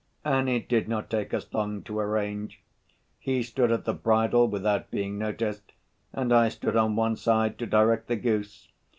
And it did not take us long to arrange: he stood at the bridle without being noticed, and I stood on one side to direct the goose.